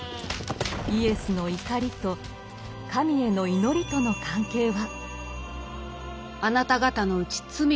イエスの怒りと神への「祈り」との関係は？